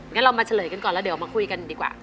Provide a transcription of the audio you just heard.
งั้นเรามาเฉลยกันก่อนแล้วเดี๋ยวมาคุยกันดีกว่า